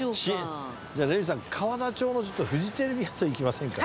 じゃあレミさん河田町のフジテレビ跡行きませんか？